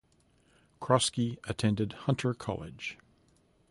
Kroski attended Hunter College.